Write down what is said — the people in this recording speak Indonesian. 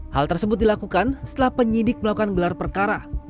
hal tersebut dilakukan setelah penyidik melakukan gelar perkara